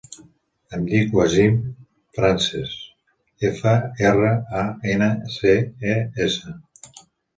Em dic Wasim Frances: efa, erra, a, ena, ce, e, essa.